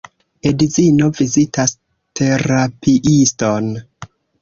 Edzino vizitas terapiiston.